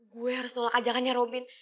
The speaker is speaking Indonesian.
gue harus nolak ajakannya robin